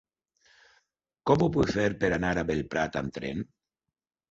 Com ho puc fer per anar a Bellprat amb tren?